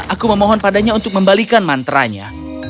aku memohon padanya untuk membalikan mantra nya